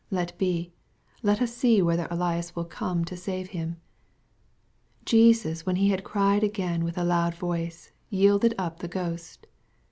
Let be, let us see whether Ellas will come to save him. 50 Jesus, when he hud cried again with a loud voice, yielded up the ghost.